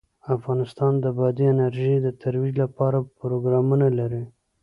افغانستان د بادي انرژي د ترویج لپاره پروګرامونه لري.